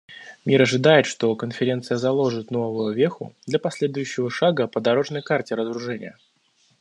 Мир ожидает, что Конференция заложит новую веху для последующего шага по "дорожной карте" разоружения.